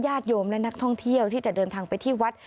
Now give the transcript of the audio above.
โยมและนักท่องเที่ยวที่จะเดินทางไปที่วัด